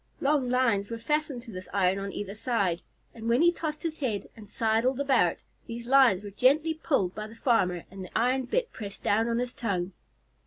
Long lines were fastened to this iron on either side, and when he tossed his head and sidled around, these lines were gently pulled by the farmer and the iron bit pressed down his tongue.